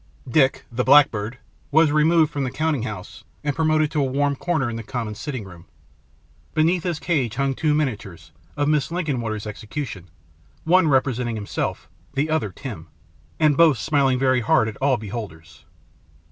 Dick, the blackbird, was removed from the counting house and promoted to a warm corner in the common sitting room. Beneath his cage hung two miniatures, of Mrs. Linkinwater's execution; one representing herself, and the other Tim; and both smiling very hard at all beholders.